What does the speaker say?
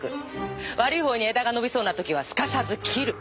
悪いほうに枝が伸びそうな時はすかさず切る。